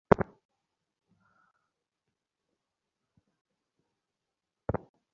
তিনি পিকফোর্ডের সাথে আ গার্ল অব ইস্টারডে ছবিতে অভিনয় করেন।